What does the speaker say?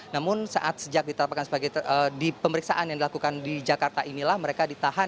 namun saat sejak ditetapkan sebagai di pemeriksaan yang dilakukan di jakarta inilah mereka ditahan